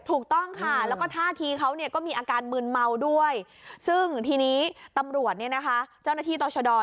ถูกต้องค่ะแล้วก็ท่าทีเขาก็มีอาการมืนเมาด้วยซึ่งทีนี้ตำรวจเนี่ยนะคะเจ้าหน้าที่ต่อชะดอ